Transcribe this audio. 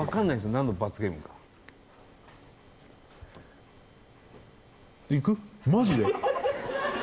何の罰ゲームかマジで！？